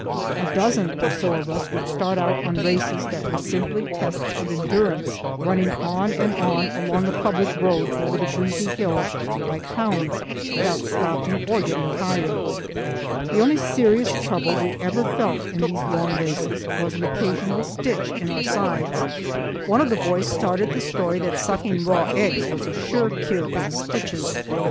A dozen or so of us would start out on races that were simply tests of endurance, running on and on along a public road over the breezy hills like hounds, without stopping or getting tired. The only serious trouble we ever felt in these long races was an occasional stitch in our sides. One of the boys started the story that sucking raw eggs was a sure cure for the stitches.